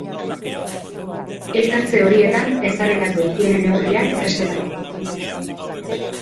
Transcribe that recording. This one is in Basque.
Elkartze horietan ezarritako higiene neurriak errespetatu.